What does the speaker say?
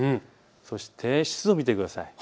そして湿度を見てください。